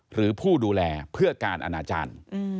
หรือผู้ดูแลเพื่อการอนาจารย์